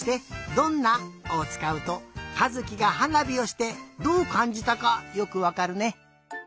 「どんな」をつかうとかずきがはなびをしてどうかんじたかよくわかるね。